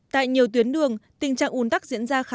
tại nhiều tuyến đường tình trạng ồn tắc diễn ra khá nhiều